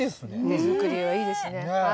手作りはいいですね。